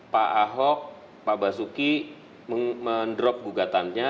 pak ahok pak basuki mendrop gugatannya